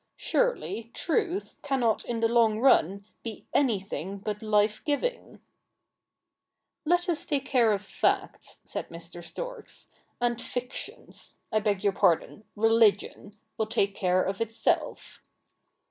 Surely truth cannot in the long run be anything but life giving.' CH. Ill] THE NEW REPUBLIC 47 ' Let us take care of facts,' said Mr Storks, ' and fictions — I beg }our pardon, religion — will take care of itself.'